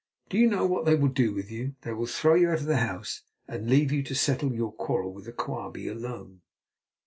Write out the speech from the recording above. "Do you know what they will do with you? They will throw you out of the house, and leave you to settle your quarrel with Quabie alone."